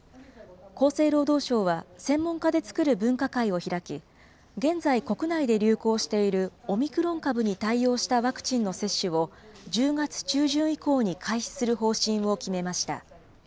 厚生労働省は、専門家で作る分科会を開き、現在、国内で流行しているオミクロン株に対応したワクチンの接種を、１０月中旬以降に開始する方針を決めました。